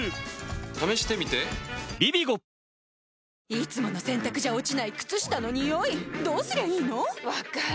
いつもの洗たくじゃ落ちない靴下のニオイどうすりゃいいの⁉分かる。